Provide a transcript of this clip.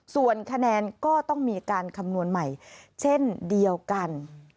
ส่วนคะแนนก็ต้องมีการคำนวณใหม่เช่นเดียวกัน